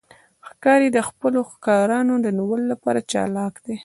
ښکاري د خپلو ښکارونو د نیولو لپاره چالاک دی.